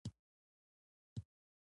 ټولو موټروانانو په پښو باندې ګلګل تړل.